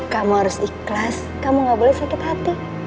kamu harus ikhlas kamu gak boleh sakit hati